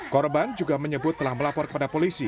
korban juga menyebut telah melapor kepada polisi